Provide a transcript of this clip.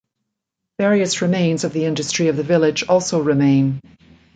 Various remains of the industry of the village also remain.